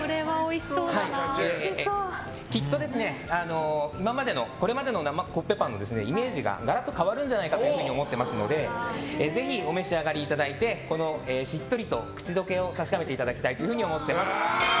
きっと今までのこれまでの生コッペパンのイメージがガラッと変わるんじゃないかと思っておりますのでぜひお召し上がりいただいてしっとりと口溶けを確かめていただきたいと思っております。